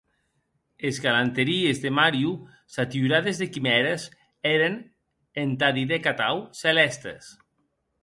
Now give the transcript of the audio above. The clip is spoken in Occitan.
Es galantaries de Mario, saturades de quimères, èren, entà didè’c atau, celèstes.